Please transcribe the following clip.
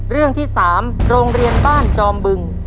เรื่องที่๓โรงเรียนบ้านจอมบึง